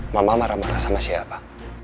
mama marah marah sama siapa